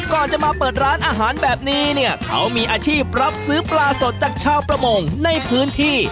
ก่อนจะมาเปิดร้านอาหารแบบนี้เนี่ยเขามีอาชีพรับซื้อปลาสดจากชาวประมงในพื้นที่